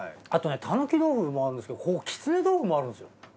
あとねたぬき豆腐もあるんですけどここきつね豆腐もあるんですよ。